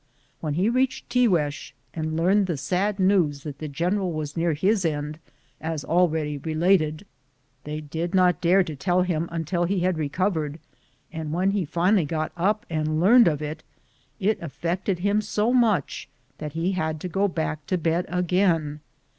When he reached Tiguex and learned the sad news that the general was near his end, as already related, they did not dare to tell him until he had recovered, and when he finally got up and learned of it, it affected him so much that he had to go back to bed again.